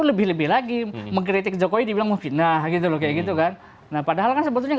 lebih lebih lagi mengkritik jokowi dibilang memfitnah gitu loh kayak gitu kan nah padahal kan sebetulnya